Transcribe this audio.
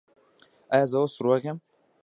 ایا زه اوس روغ یم؟